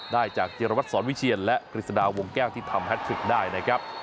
ได้จากจิรวัตรสอนวิเชียนและกฤษฎาวงแก้วที่ทำแฮทริกได้นะครับ